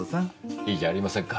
いいじゃありませんか。